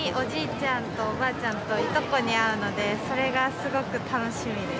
ちゃんとおばあちゃんといとこに会うので、それがすごく楽しみです。